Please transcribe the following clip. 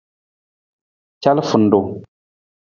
Calafarung.